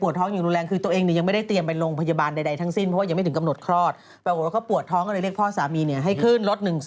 จากโรงพยาบาลป้าบเข้าไปนะฮะ๙โมงออกมาเลยในวันที่๙เดือน๙